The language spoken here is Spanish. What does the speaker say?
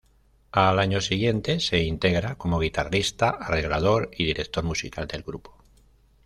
Al año siguiente se integra como guitarrista, arreglador y director musical del grupo.